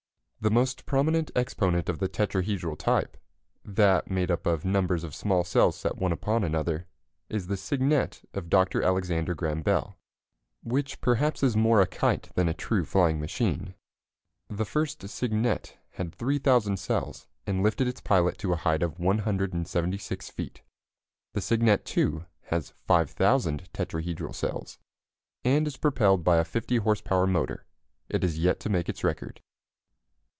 The most prominent exponent of the tetrahedral type that made up of numbers of small cells set one upon another is the Cygnet of Dr. Alexander Graham Bell, which perhaps is more a kite than a true flying machine. The first Cygnet had 3,000 cells, and lifted its pilot to a height of 176 feet. The Cygnet II. has 5,000 tetrahedral cells, and is propelled by a 50 horse power motor. It has yet to make its record.